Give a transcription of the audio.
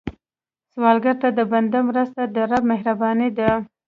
سوالګر ته د بنده مرسته، د رب مهرباني ده